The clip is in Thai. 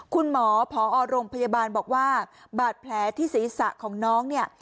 คุณหมอผอโรงพยาบาลบอกว่าบาดแผลที่ศีรษะของน้องเนี่ย